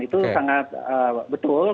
itu sangat betul